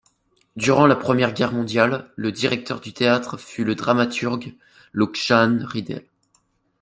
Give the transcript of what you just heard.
Durant la première Guerre mondiale, le directeur du théâtre fut le dramaturge Lucjan Rydel.